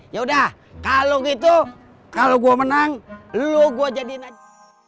yaudah kalau gitu kalau gua menang lu gua jadiin aja